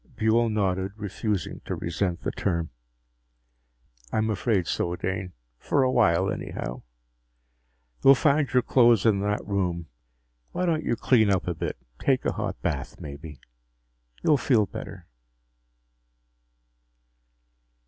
Buehl nodded, refusing to resent the term. "I'm afraid so, Dane for a while, anyhow. You'll find your clothes in that room. Why don't you clean up a little? Take a hot bath, maybe. You'll feel better."